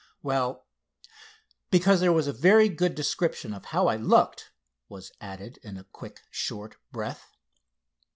"Well, because there was a very good description of how I looked," was added in a quick short breath.